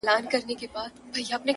دنیا د غم په ورځ پیدا ده،